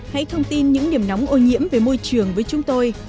hãy thông tin những điểm nóng ô nhiễm về môi trường với chúng tôi